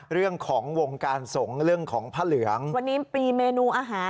เรื่องของวงการสงฆ์เรื่องของผ้าเหลืองวันนี้มีเมนูอาหาร